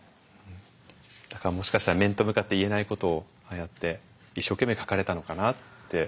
だからもしかしたら面と向かって言えないことをああやって一生懸命書かれたのかなって。